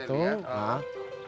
betul dari saya lihat